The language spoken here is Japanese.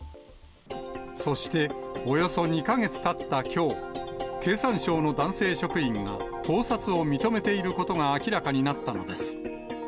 そしておよそ２か月たったきょう、経産省の男性職員が、盗撮を認めていることが明らかになったのです。